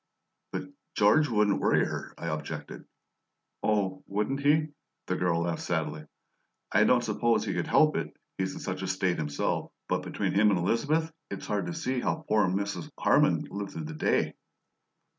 "But George wouldn't worry her," I objected. "Oh, wouldn't he?" The girl laughed sadly. "I don't suppose he could help it, he's in such a state himself, but between him and Elizabeth it's hard to see how poor Mrs. Harman lived through the day."